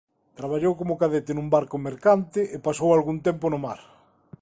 Traballou como cadete nun barco mercante e pasou algún tempo no mar.